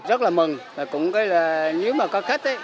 rất là mừng và cũng như là nếu mà có khách ấy